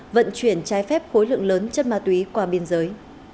vận chuyển trái phép khối lượng lớn chất ma túy qua biên giới